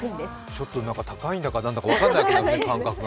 ちょっと高いんだか何だか分からなくなりますね、感覚が。